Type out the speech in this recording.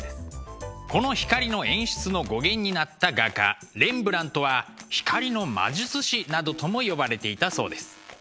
この光の演出の語源になった画家レンブラントは光の魔術師などとも呼ばれていたそうです。